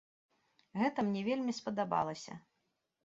Гэта мне вельмі спадабалася.